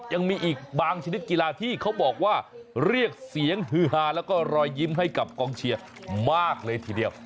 ยังมีอีกบางชนิดกีฬาที่เขาบอกว่าเรียกเสียงฮือฮาแล้วก็รอยยิ้มให้กับกองเชียร์มากเลยทีเดียว